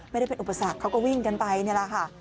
ไม่ได้เป็นอุปสรรคเขาก็วิ่งกันไปนี่แหละค่ะ